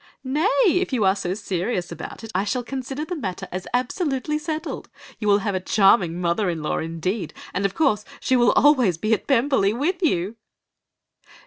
"'Nay, if you are so serious about it, I shall consider the matter as absolutely settled. You will have a charming mother in law indeed, and of course she will always be at Pemberley with you.